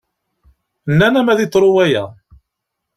Nnan-am ad yeḍru waya.